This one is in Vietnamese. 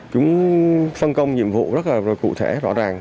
chúng phân công nhiệm vụ rất là cụ thể rõ ràng